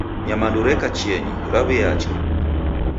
Nyamandu reka chienyi, raw'eacha.